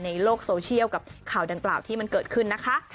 ในโลกโซเชียลกับข่าวดังกล่าวที่มันเกิดขึ้นนะคะ